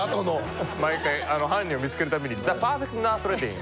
毎回犯人を見つける度に「ザ・パーフェクト・ナスレッディン！！」。